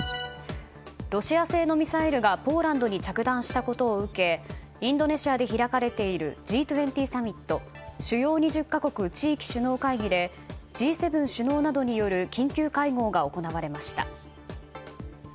ロシア製のミサイルがポーランドに着弾したことを受けインドネシアで開かれているＧ２０サミット・主要２０か国・地域首脳会議でＧ７首脳などによる緊急会合が行われました。